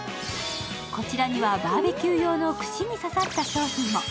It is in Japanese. こちらには、バーベキュー用の串に刺さった商品も。